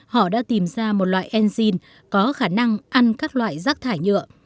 họ đã tìm ra một loại enzyme có khả năng ăn các loại rác thải nhựa